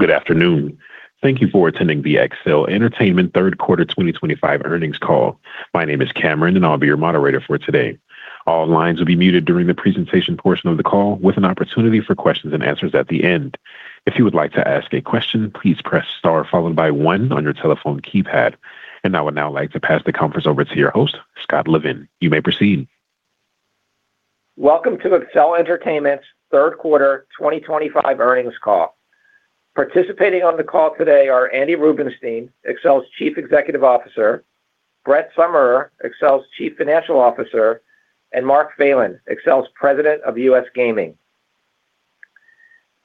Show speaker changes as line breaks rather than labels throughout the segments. Good afternoon. Thank you for attending the Accel Entertainment Third Quarter 2025 earnings call. My name is Cameron, and I'll be your moderator for today. All lines will be muted during the presentation portion of the call, with an opportunity for questions and answers at the end. If you would like to ask a question, please press star followed by one on your telephone keypad, and I would now like to pass the conference over to your host, Scott Levin. You may proceed.
Welcome to Accel Entertainment's Third Quarter 2025 earnings call. Participating on the call today are Andy Rubenstein, Accel's Chief Executive Officer; Brett Summerer, Accel's Chief Financial Officer; and Mark Phelan, Accel's President of US Gaming.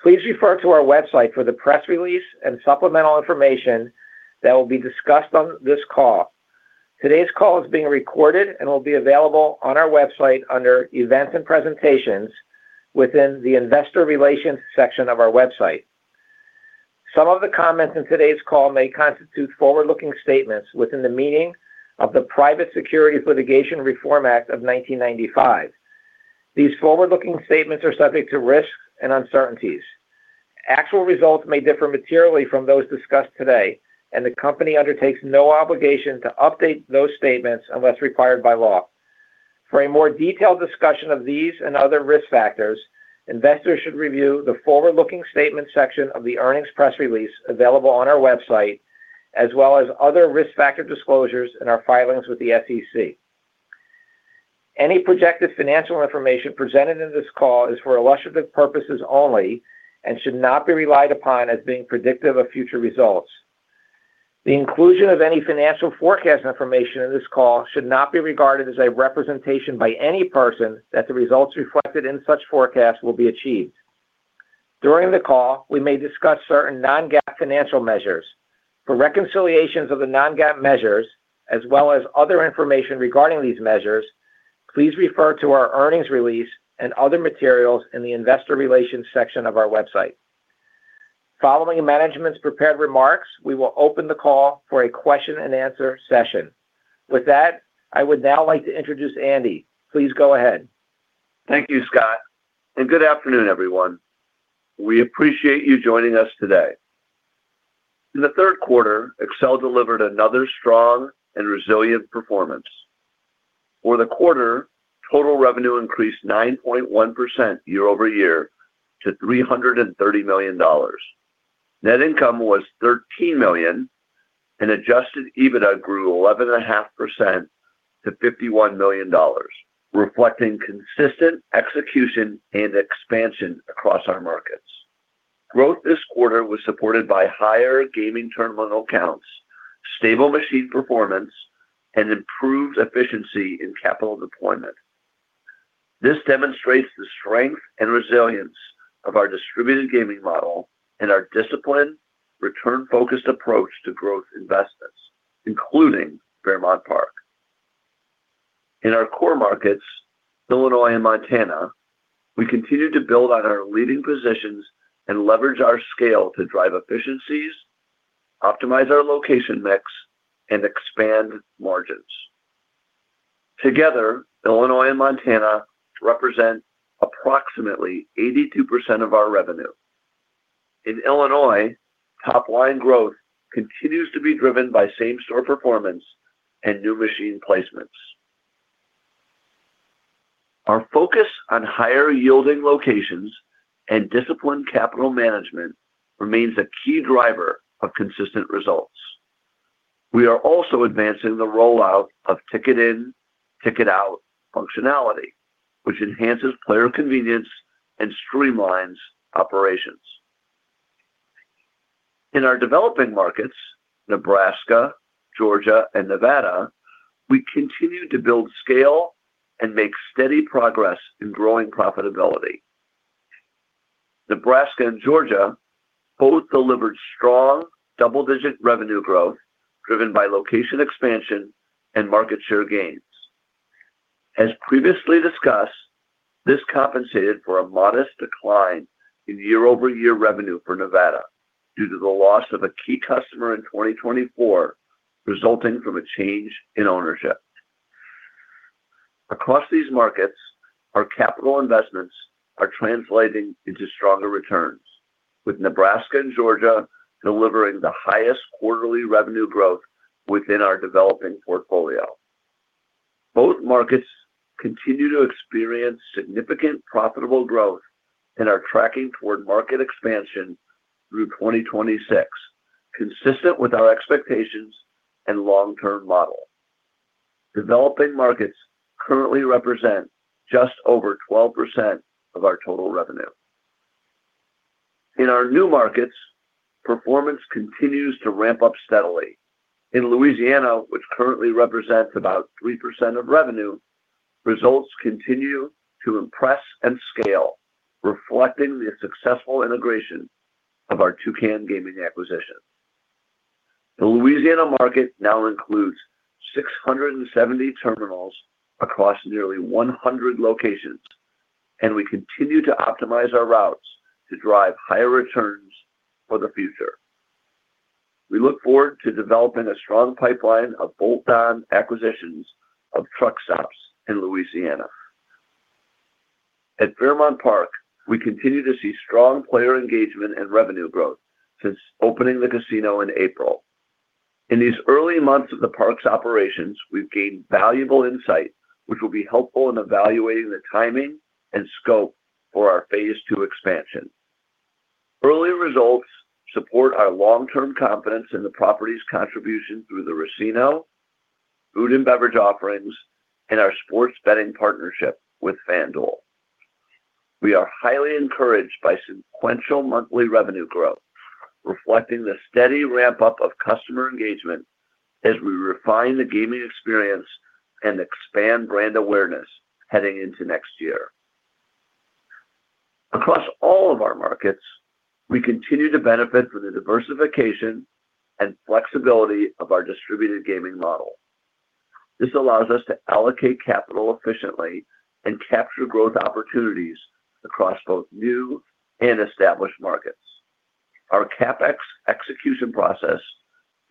Please refer to our website for the press release and supplemental information that will be discussed on this call. Today's call is being recorded and will be available on our website under Events and Presentations within the Investor Relations section of our website. Some of the comments in today's call may constitute forward-looking statements within the meaning of the Private Securities Litigation Reform Act of 1995. These forward-looking statements are subject to risks and uncertainties. Actual results may differ materially from those discussed today, and the company undertakes no obligation to update those statements unless required by law. For a more detailed discussion of these and other risk factors, investors should review the Forward-Looking Statements section of the earnings press release available on our website, as well as other risk factor disclosures in our filings with the SEC. Any projected financial information presented in this call is for illustrative purposes only and should not be relied upon as being predictive of future results. The inclusion of any financial forecast information in this call should not be regarded as a representation by any person that the results reflected in such forecasts will be achieved. During the call, we may discuss certain non-GAAP financial measures. For reconciliations of the non-GAAP measures, as well as other information regarding these measures, please refer to our earnings release and other materials in the Investor Relations section of our website. Following management's prepared remarks, we will open the call for a question-and-answer session. With that, I would now like to introduce Andy. Please go ahead.
Thank you, Scott, and good afternoon, everyone. We appreciate you joining us today. In the third quarter, Accel delivered another strong and resilient performance. Over the quarter, total revenue increased 9.1% year-over-year to $330 million. Net income was $13 million, and adjusted EBITDA grew 11.5% to $51 million, reflecting consistent execution and expansion across our markets. Growth this quarter was supported by higher gaming turnover counts, stable machine performance, and improved efficiency in capital deployment. This demonstrates the strength and resilience of our distributed gaming model and our disciplined, return-focused approach to growth investments, including Fairmont Park. In our core markets, Illinois and Montana, we continue to build on our leading positions and leverage our scale to drive efficiencies, optimize our location mix, and expand margins. Together, Illinois and Montana represent approximately 82% of our revenue. In Illinois, top-line growth continues to be driven by same-store performance and new machine placements. Our focus on higher-yielding locations and disciplined capital management remains a key driver of consistent results. We are also advancing the rollout of ticket-in, ticket-out functionality, which enhances player convenience and streamlines operations. In our developing markets, Nebraska, Georgia, and Nevada, we continue to build scale and make steady progress in growing profitability. Nebraska and Georgia both delivered strong double-digit revenue growth driven by location expansion and market share gains. As previously discussed, this compensated for a modest decline in year-over-year revenue for Nevada due to the loss of a key customer in 2024, resulting from a change in ownership. Across these markets, our capital investments are translating into stronger returns, with Nebraska and Georgia delivering the highest quarterly revenue growth within our developing portfolio. Both markets continue to experience significant profitable growth and are tracking toward market expansion through 2026, consistent with our expectations and long-term model. Developing markets currently represent just over 12% of our total revenue. In our new markets, performance continues to ramp up steadily. In Louisiana, which currently represents about three% of revenue, results continue to impress and scale, reflecting the successful integration of our Toucan Gaming acquisition. The Louisiana market now includes 670 terminals across nearly 100 locations, and we continue to optimize our routes to drive higher returns for the future. We look forward to developing a strong pipeline of bolt-on acquisitions of truck stops in Louisiana. At Fairmont Park, we continue to see strong player engagement and revenue growth since opening the casino in April. In these early months of the park's operations, we've gained valuable insight, which will be helpful in evaluating the timing and scope for our phase two expansion. Early results support our long-term confidence in the property's contribution through the casino, food and beverage offerings, and our sports betting partnership with FanDuel. We are highly encouraged by sequential monthly revenue growth, reflecting the steady ramp-up of customer engagement as we refine the gaming experience and expand brand awareness heading into next year. Across all of our markets, we continue to benefit from the diversification and flexibility of our distributed gaming model. This allows us to allocate capital efficiently and capture growth opportunities across both new and established markets. Our CapEx execution process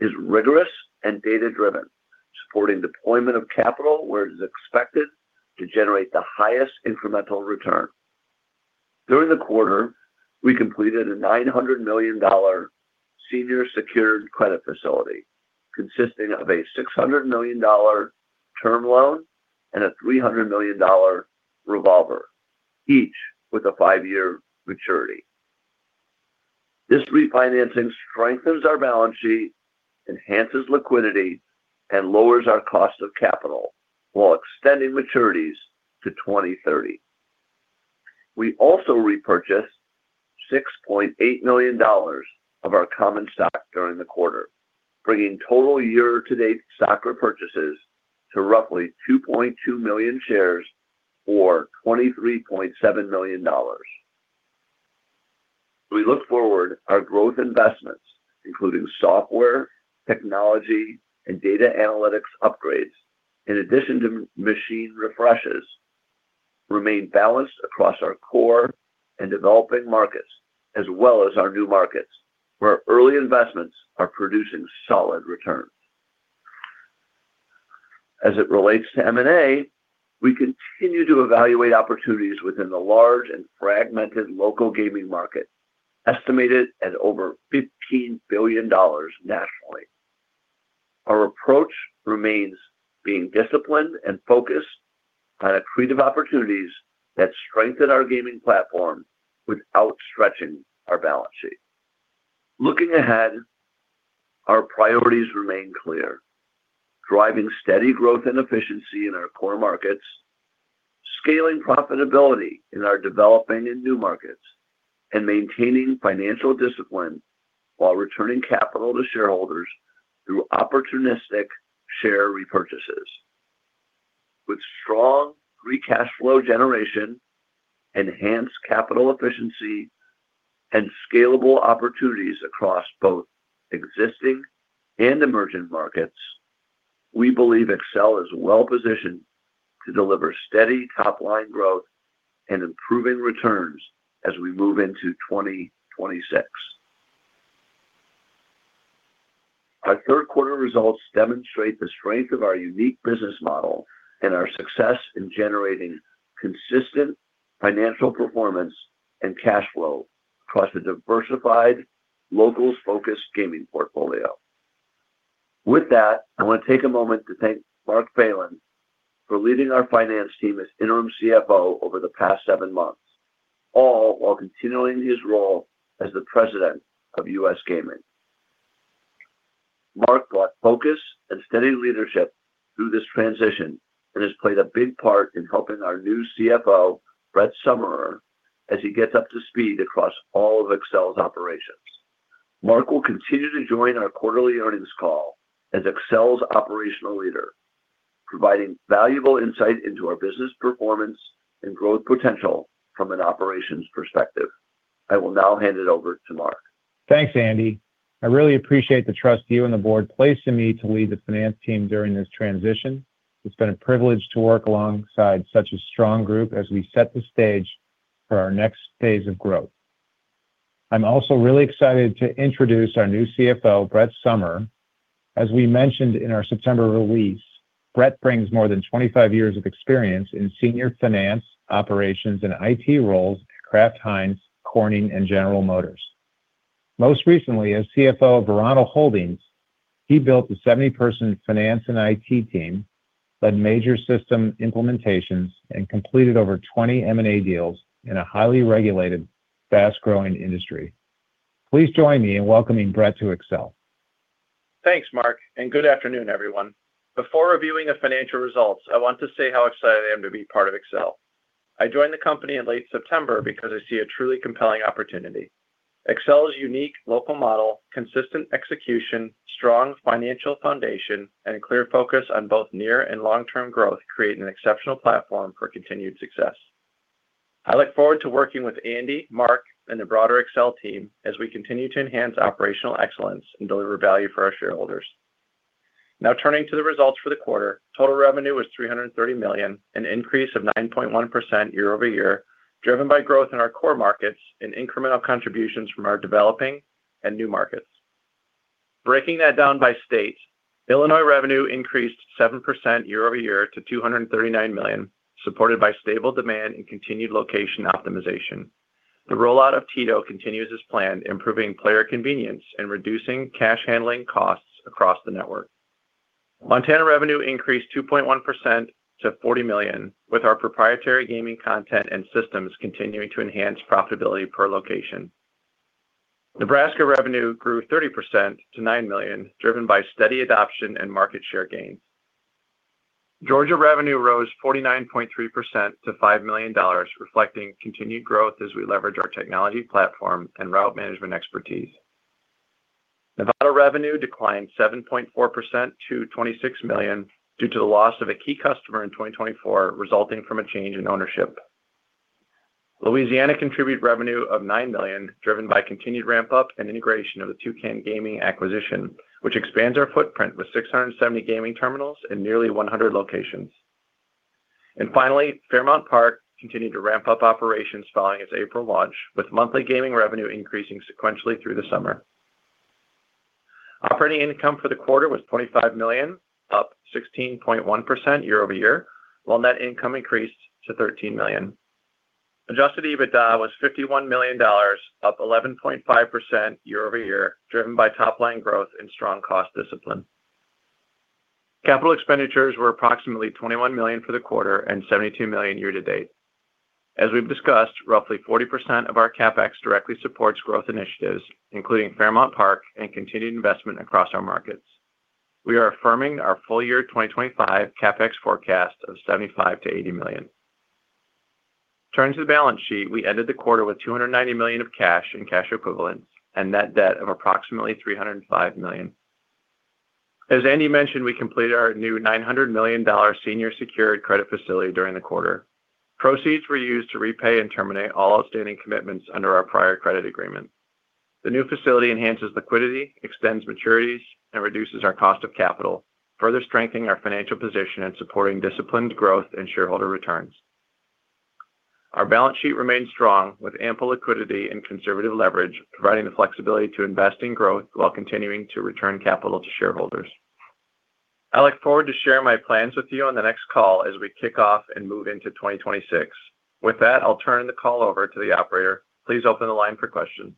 is rigorous and data-driven, supporting deployment of capital where it is expected to generate the highest incremental return. During the quarter, we completed a $900 million Senior Secured Credit Facility, consisting of a $600 million term loan and a $300 million revolver, each with a five-year maturity. This refinancing strengthens our balance sheet, enhances liquidity, and lowers our cost of capital while extending maturities to 2030. We also repurchased $6.8 million of our common stock during the quarter, bringing total year-to-date stock repurchases to roughly 2.2 million shares or $23.7 million. We look forward to our growth investments, including software, technology, and data analytics upgrades, in addition to machine refreshes. Remain balanced across our core and developing markets, as well as our new markets, where early investments are producing solid returns. As it relates to M&A, we continue to evaluate opportunities within the large and fragmented local gaming market, estimated at over $15 billion nationally. Our approach remains being disciplined and focused on accretive opportunities that strengthen our gaming platform without stretching our balance sheet. Looking ahead, our priorities remain clear: driving steady growth and efficiency in our core markets. Scaling profitability in our developing and new markets, and maintaining financial discipline while returning capital to shareholders through opportunistic share repurchases. With strong free cash flow generation, enhanced capital efficiency, and scalable opportunities across both existing and emerging markets, we believe Accel is well-positioned to deliver steady top-line growth and improving returns as we move into 2026. Our third-quarter results demonstrate the strength of our unique business model and our success in generating consistent financial performance and cash flow across a diversified, locals-focused gaming portfolio. With that, I want to take a moment to thank Mark Phelan for leading our finance team as interim CFO over the past seven months, all while continuing his role as the President of U.S. Gaming. Mark brought focus and steady leadership through this transition and has played a big part in helping our new CFO, Brett Summerer, as he gets up to speed across all of Accel's operations. Mark will continue to join our quarterly earnings call as Accel's operational leader, providing valuable insight into our business performance and growth potential from an operations perspective. I will now hand it over to Mark.
Thanks, Andy. I really appreciate the trust you and the board placed in me to lead the finance team during this transition. It's been a privilege to work alongside such a strong group as we set the stage for our next phase of growth. I'm also really excited to introduce our new CFO, Brett Summerer. As we mentioned in our September release, Brett brings more than 25 years of experience in senior finance, operations, and IT roles at Kraft Heinz, Corning, and General Motors. Most recently, as CFO of Veronta Holdings, he built a 70-person finance and IT team, led major system implementations, and completed over 20 M&A deals in a highly regulated, fast-growing industry. Please join me in welcoming Brett to Accel.
Thanks, Mark, and good afternoon, everyone. Before reviewing the financial results, I want to say how excited I am to be part of Accel. I joined the company in late September because I see a truly compelling opportunity. Accel's unique local model, consistent execution, strong financial foundation, and clear focus on both near and long-term growth create an exceptional platform for continued success. I look forward to working with Andy, Mark, and the broader Accel team as we continue to enhance operational excellence and deliver value for our shareholders. Now, turning to the results for the quarter, total revenue was $330 million, an increase of 9.1% year-over-year, driven by growth in our core markets and incremental contributions from our developing and new markets. Breaking that down by state, Illinois revenue increased 7% year-over-year to $239 million, supported by stable demand and continued location optimization. The rollout of Tito continues as planned, improving player convenience and reducing cash handling costs across the network. Montana revenue increased 2.1% to $40 million, with our proprietary gaming content and systems continuing to enhance profitability per location. Nebraska revenue grew 30% to $9 million, driven by steady adoption and market share gains. Georgia revenue rose 49.3% to $5 million, reflecting continued growth as we leverage our technology platform and route management expertise. Nevada revenue declined 7.4% to $26 million due to the loss of a key customer in 2024, resulting from a change in ownership. Louisiana contributed revenue of $9 million, driven by continued ramp-up and integration of the Toucan Gaming acquisition, which expands our footprint with 670 gaming terminals and nearly 100 locations. And finally, Fairmont Park continued to ramp up operations following its April launch, with monthly gaming revenue increasing sequentially through the summer. Operating income for the quarter was $25 million, up 16.1% year-over-year, while net income increased to $13 million. Adjusted EBITDA was $51 million, up 11.5% year-over-year, driven by top-line growth and strong cost discipline. Capital expenditures were approximately $21 million for the quarter and $72 million year-to-date. As we've discussed, roughly 40% of our CapEx directly supports growth initiatives, including Fairmont Park and continued investment across our markets. We are affirming our full-year 2025 CapEx forecast of $75-$80 million. Turning to the balance sheet, we ended the quarter with $290 million of cash and cash equivalents and net debt of approximately $305 million. As Andy mentioned, we completed our new $900 million Senior Secured Credit Facility during the quarter. Proceeds were used to repay and terminate all outstanding commitments under our prior credit agreement. The new facility enhances liquidity, extends maturities, and reduces our cost of capital, further strengthening our financial position and supporting disciplined growth and shareholder returns. Our balance sheet remained strong, with ample liquidity and conservative leverage, providing the flexibility to invest in growth while continuing to return capital to shareholders. I look forward to sharing my plans with you on the next call as we kick off and move into 2026. With that, I'll turn the call over to the operator. Please open the line for questions.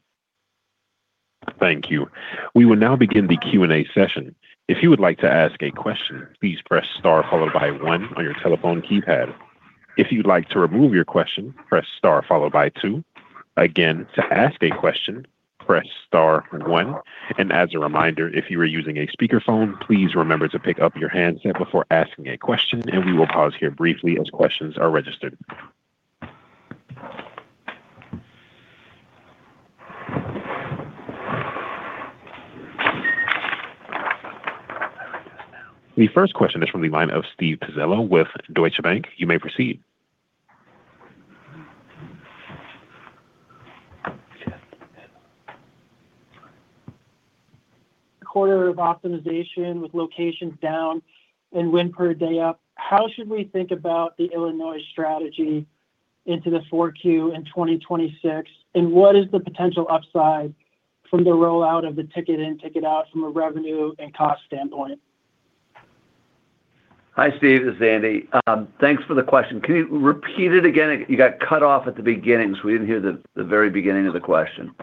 Thank you. We will now begin the Q&A session. If you would like to ask a question, please press star followed by one on your telephone keypad. If you'd like to remove your question, press star followed by two. Again, to ask a question, press star one, and as a reminder, if you are using a speakerphone, please remember to pick up your handset before asking a question, and we will pause here briefly as questions are registered. The first question is from the line of Steve Pizzella with Deutsche Bank. You may proceed.
Quarter of optimization with locations down and win per day up. How should we think about the Illinois strategy into the 4Q in 2026? And what is the potential upside from the rollout of the ticket in, ticket out from a revenue and cost standpoint?
Hi, Steve. This is Andy. Thanks for the question. Can you repeat it again? You got cut off at the beginning, so we didn't hear the very beginning of the question.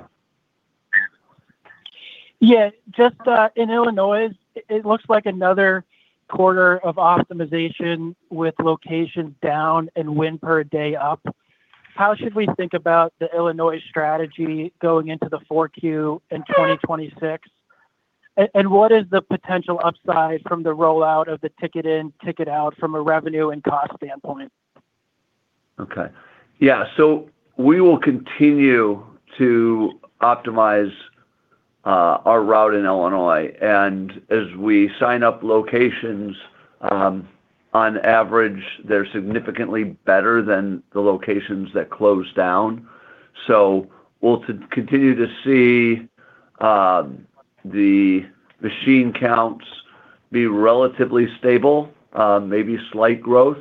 Yeah. Just in Illinois, it looks like another quarter of optimization with locations down and win per day up. How should we think about the Illinois strategy going into the 4Q in 2026? And what is the potential upside from the rollout of the ticket in, ticket out from a revenue and cost standpoint?
Okay. Yeah. So we will continue to optimize our route in Illinois. And as we sign up locations, on average, they're significantly better than the locations that close down. So we'll continue to see the machine counts be relatively stable, maybe slight growth.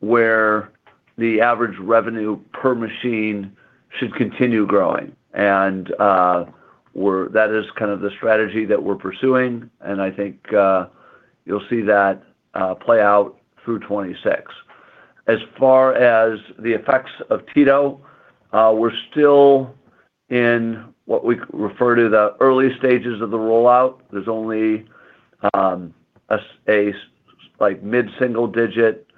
Where the average revenue per machine should continue growing. And that is kind of the strategy that we're pursuing. And I think you'll see that play out through 2026. As far as the effects of TITO, we're still in what we refer to the early stages of the rollout. There's only a mid-single-digit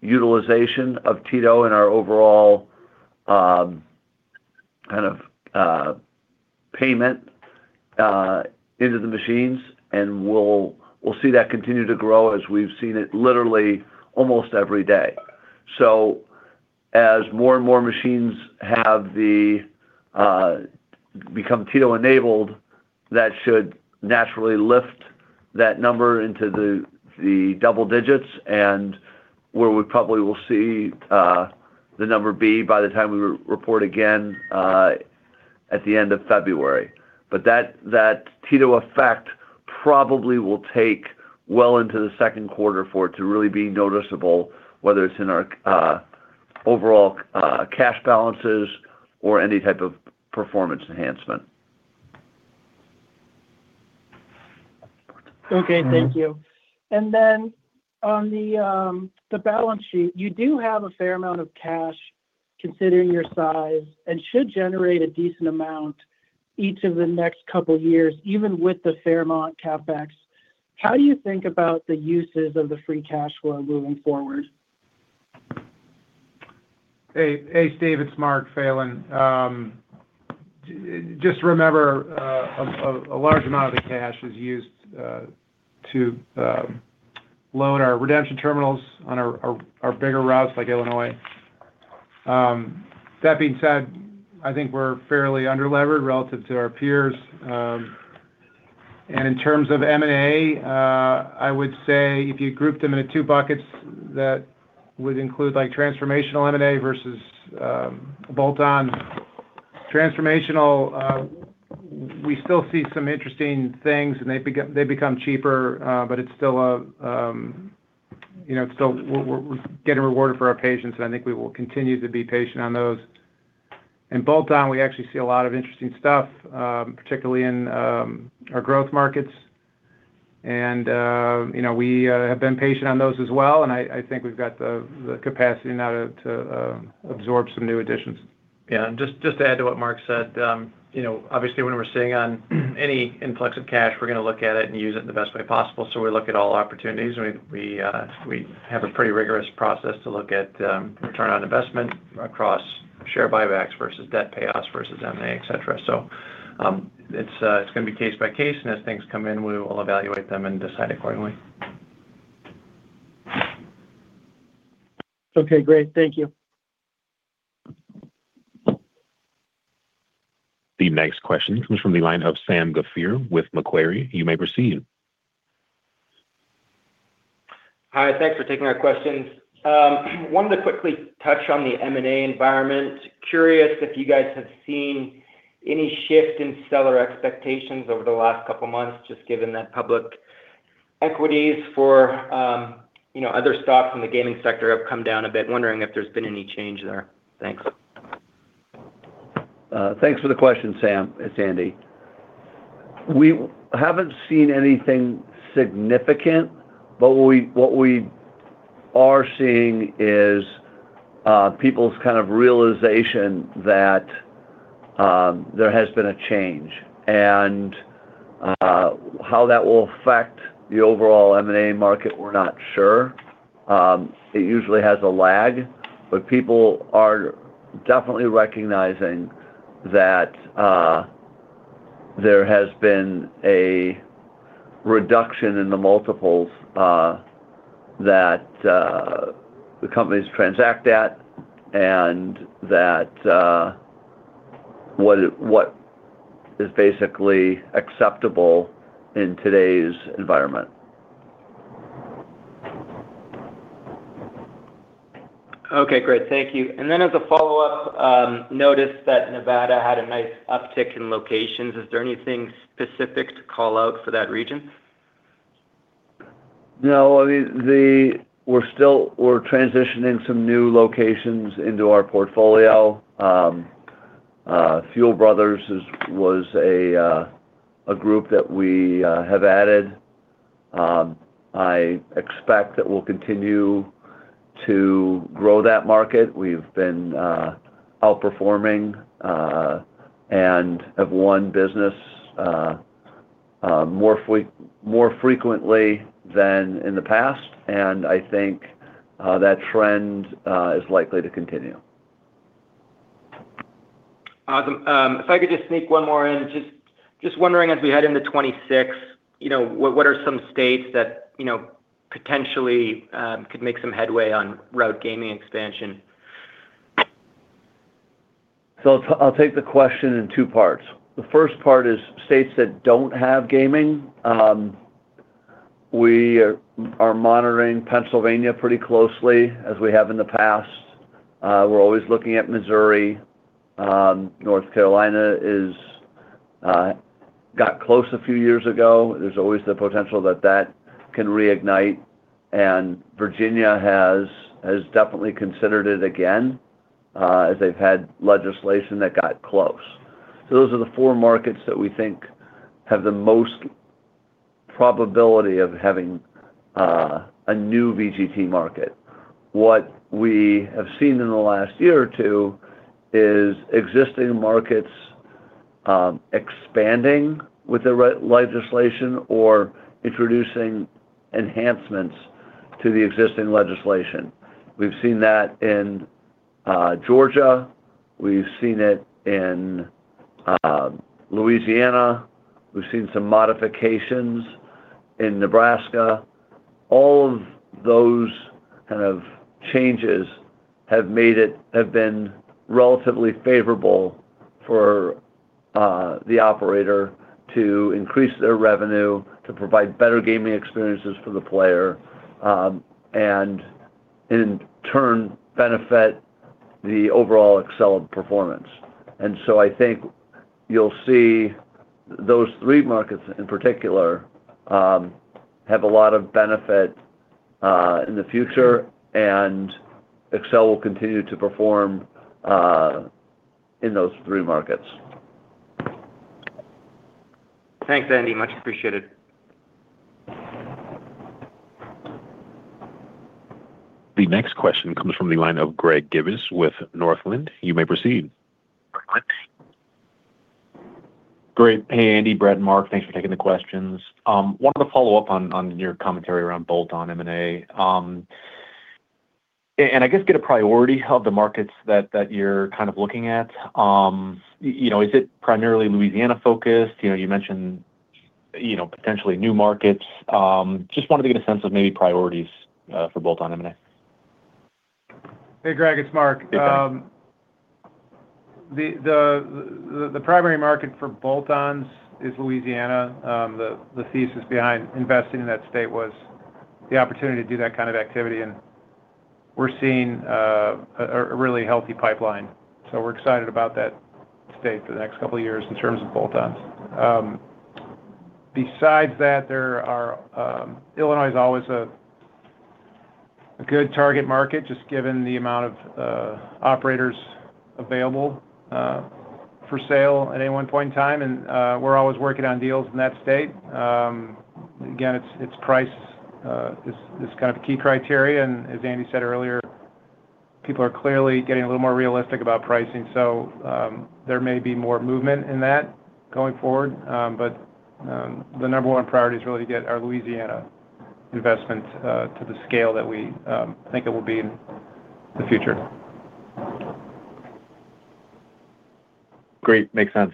utilization of TITO in our overall kind of payment into the machines. And we'll see that continue to grow as we've seen it literally almost every day. So as more and more machines have become TITO-enabled, that should naturally lift that number into the double digits, and where we probably will see the number be by the time we report again at the end of February. But that TITO effect probably will take well into the second quarter for it to really be noticeable, whether it's in our overall cash balances or any type of performance enhancement.
Okay. Thank you. And then on the balance sheet, you do have a fair amount of cash considering your size and should generate a decent amount each of the next couple of years, even with the Fairmont CapEx. How do you think about the uses of the free cash flow moving forward?
Hey, Steve. It's Mark Phelan. Just remember, a large amount of the cash is used to load our redemption terminals on our bigger routes like Illinois. That being said, I think we're fairly under-levered relative to our peers. In terms of M&A, I would say if you grouped them into two buckets that would include transformational M&A versus bolt-on transformational. We still see some interesting things, and they become cheaper, but it's still we're getting rewarded for our patience, and I think we will continue to be patient on those. In bolt-on, we actually see a lot of interesting stuff, particularly in our growth markets. We have been patient on those as well, and I think we've got the capacity now to absorb some new additions.
Yeah, and just to add to what Mark said, obviously, when we're seeing any influx of cash, we're going to look at it and use it in the best way possible. So we look at all opportunities. We have a pretty rigorous process to look at return on investment across share buybacks versus debt payoffs versus M&A, etc. So it's going to be case by case, and as things come in, we will evaluate them and decide accordingly.
Okay. Great. Thank you.
The next question comes from the line of Sam Ghafir with Macquarie. You may proceed.
Hi. Thanks for taking our questions. I wanted to quickly touch on the M&A environment. Curious if you guys have seen any shift in seller expectations over the last couple of months, just given that public equities for other stocks in the gaming sector have come down a bit. Wondering if there's been any change there. Thanks.
Thanks for the question, Sam. It's Andy. We haven't seen anything significant, but what we are seeing is people's kind of realization that there has been a change, and how that will affect the overall M&A market, we're not sure. It usually has a lag, but people are definitely recognizing that there has been a reduction in the multiples that the companies transact at and that what is basically acceptable in today's environment.
Okay. Great. Thank you, and then as a follow-up, noticed that Nevada had a nice uptick in locations. Is there anything specific to call out for that region?
No. I mean. We're transitioning some new locations into our portfolio. Fuel Brothers was a group that we have added. I expect that we'll continue to grow that market. We've been outperforming and have won business more frequently than in the past. And I think that trend is likely to continue.
Awesome. If I could just sneak one more in, just wondering, as we head into 2026. What are some states that potentially could make some headway on route gaming expansion?
So I'll take the question in two parts. The first part is states that don't have gaming. We are monitoring Pennsylvania pretty closely as we have in the past. We're always looking at Missouri. North Carolina got close a few years ago. There's always the potential that that can reignite, and Virginia has definitely considered it again. As they've had legislation that got close, so those are the four markets that we think have the most probability of having a new VGT market. What we have seen in the last year or two is existing markets expanding with the legislation or introducing enhancements to the existing legislation. We've seen that in Georgia. We've seen it in Louisiana. We've seen some modifications in Nebraska. All of those kind of changes have been relatively favorable for the operator to increase their revenue, to provide better gaming experiences for the player, and in turn, benefit the overall Accel performance. And so I think you'll see those three markets in particular have a lot of benefit in the future, and Accel will continue to perform in those three markets.
Thanks, Andy. Much appreciated.
The next question comes from the line of Greg Gibas with Northland. You may proceed.
Great. Hey, Andy, Brett, and Mark. Thanks for taking the questions. I wanted to follow up on your commentary around bolt-on M&A, and I guess get a priority of the markets that you're kind of looking at. Is it primarily Louisiana-focused? You mentioned potentially new markets. Just wanted to get a sense of maybe priorities for bolt-on M&A.
Hey, Greg. It's Mark. The primary market for bolt-ons is Louisiana. The thesis behind investing in that state was the opportunity to do that kind of activity, and we're seeing a really healthy pipeline, so we're excited about that state for the next couple of years in terms of bolt-ons. Besides that, Illinois is always a good target market, just given the amount of operators available for sale at any one point in time, and we're always working on deals in that state. Again, its price is kind of a key criteria, and as Andy said earlier, people are clearly getting a little more realistic about pricing, so there may be more movement in that going forward, but the number one priority is really to get our Louisiana investment to the scale that we think it will be in the future.
Great. Makes sense.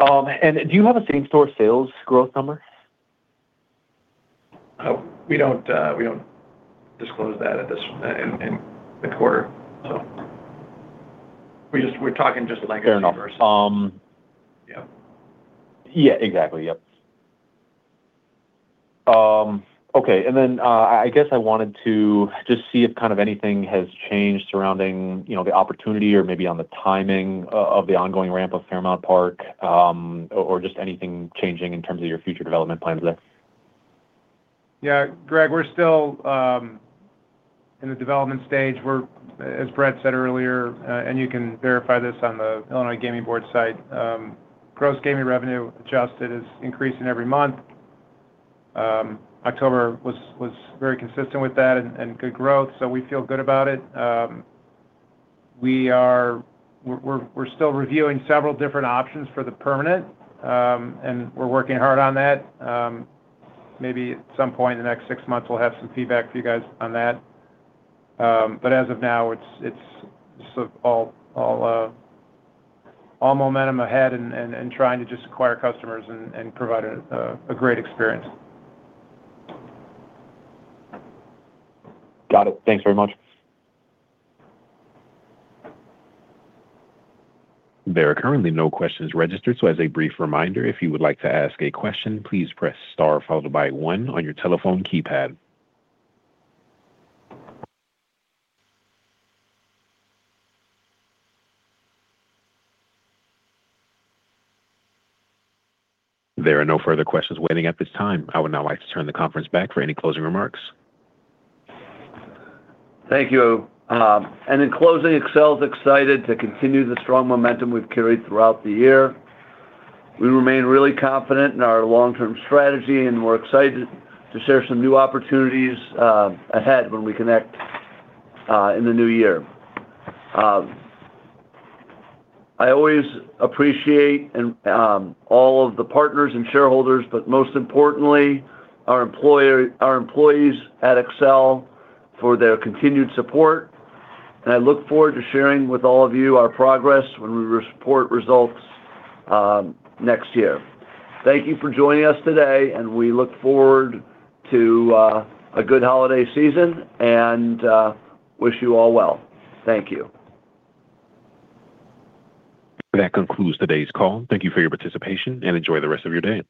And do you have a same-store sales growth number?
We don't disclose that in the quarter, so we're talking just like a universal. Yeah.
Yeah. Exactly. Yep. Okay. And then I guess I wanted to just see if kind of anything has changed surrounding the opportunity or maybe on the timing of the ongoing ramp of Fairmont Park. Or just anything changing in terms of your future development plans there?
Yeah. Greg, we're still in the development stage. As Brett said earlier, and you can verify this on the Illinois Gaming Board site, gross gaming revenue adjusted is increasing every month. October was very consistent with that and good growth, so we feel good about it. We're still reviewing several different options for the permanent, and we're working hard on that. Maybe at some point in the next six months, we'll have some feedback for you guys on that, but as of now, it's just all momentum ahead and trying to just acquire customers and provide a great experience.
Got it. Thanks very much.
There are currently no questions registered. So as a brief reminder, if you would like to ask a question, please press star followed by one on your telephone keypad. There are no further questions waiting at this time. I would now like to turn the conference back for any closing remarks.
Thank you. And in closing, Accel is excited to continue the strong momentum we've carried throughout the year. We remain really confident in our long-term strategy, and we're excited to share some new opportunities ahead when we connect in the new year. I always appreciate all of the partners and shareholders, but most importantly, our employees at Accel for their continued support. And I look forward to sharing with all of you our progress when we report results next year. Thank you for joining us today, and we look forward to a good holiday season and wish you all well. Thank you.
That concludes today's call. Thank you for your participation and enjoy the rest of your day.